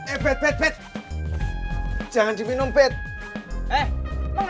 eh kamu mau beracun